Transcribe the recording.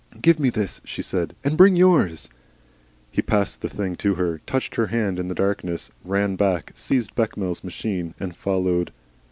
"Give me this," she said, "and bring yours." He passed the thing to her, touched her hand in the darkness, ran back, seized Bechamel's machine, and followed.